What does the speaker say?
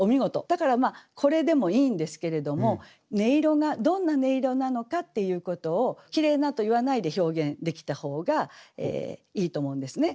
だからこれでもいいんですけれども「音色」がどんな音色なのかっていうことを「きれいな」と言わないで表現できた方がいいと思うんですね。